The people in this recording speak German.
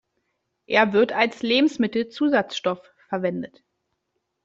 Er wird als Lebensmittelzusatzstoff verwendet.